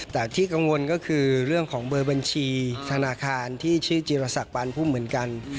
แต่ที่กังวลก็คือเรื่องของเบอร์บัญชีธนาคารที่ชื่อจิรษักปานพุ่มเหมือนกัน